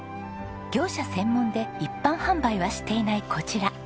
業者専門で一般販売はしていないこちら。